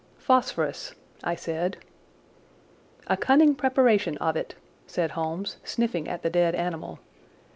"Phosphorus," I said. "A cunning preparation of it," said Holmes, sniffing at the dead animal.